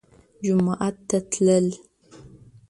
جومات ته تلل